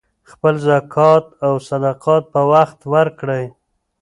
خپل زکات او صدقات په وخت ورکړئ.